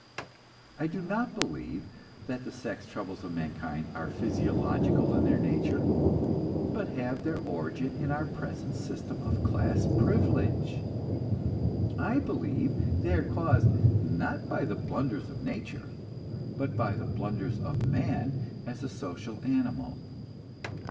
I do not believe that the sex troubles of mankind are physiological in their nature, but have their origin in our present system of class privilege. I believe they are caused, not by the blunders of nature, but by the blunders of man as a social animal.